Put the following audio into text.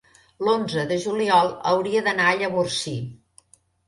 l'onze de juliol hauria d'anar a Llavorsí.